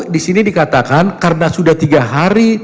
disini dikatakan karena sudah tiga hari